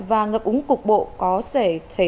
và ngập úng cục bộ có thể